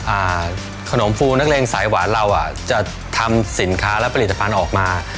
อ่าขนมฟูนักเลงสายหวานเราอ่ะจะทำสินค้าและผลิตภัณฑ์ออกมา